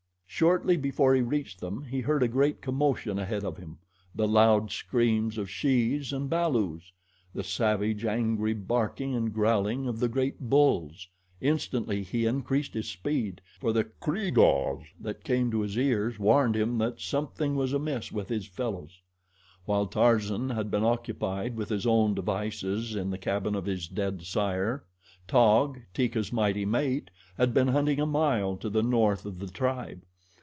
Shortly before he reached them he heard a great commotion ahead of him the loud screams of shes and balus, the savage, angry barking and growling of the great bulls. Instantly he increased his speed, for the "Kreeg ahs" that came to his ears warned him that something was amiss with his fellows. While Tarzan had been occupied with his own devices in the cabin of his dead sire, Taug, Teeka's mighty mate, had been hunting a mile to the north of the tribe.